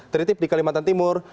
teritip di kalimantan timur